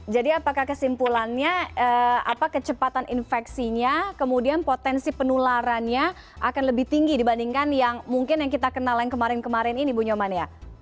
jadi apakah kesimpulannya apa kecepatan infeksinya kemudian potensi penularannya akan lebih tinggi dibandingkan yang mungkin yang kita kenal yang kemarin kemarin ini bu nyoman ya